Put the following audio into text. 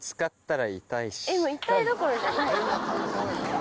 痛いどころじゃないよ。